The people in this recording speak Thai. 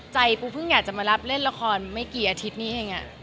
ปูเพิ่งอยากจะมารับเล่นละครไม่กี่อาทิตย์นี้เอง